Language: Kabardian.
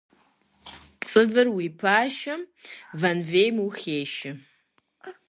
Цӏывыр уи пашэм вэнвейм ухешэ.